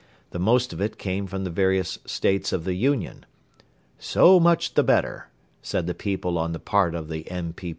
The most of it came from the various States of the Union. "So much the better," said the people on the part of the N.